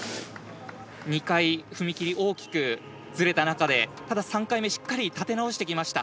２回、踏み切り大きくずれた中でただ、３回目しっかり立て直してきました。